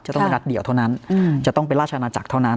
จะต้องไปนัดเดียวเท่านั้นจะต้องเป็นราชอาณาจักรเท่านั้น